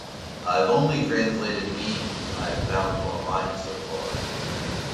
I've only translated memes I found online so far